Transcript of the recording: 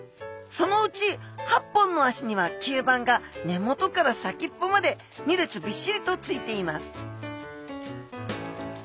そのうち８本の足には吸盤が根元から先っぽまで２列びっしりとついています